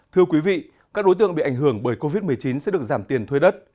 thưa quý vị các đối tượng bị ảnh hưởng bởi covid một mươi chín sẽ được giảm tiền thuê đất